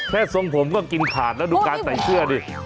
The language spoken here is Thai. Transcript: แค่ส่งผมก็กินผ่านแล้วดูกันใส่เสื้อดิ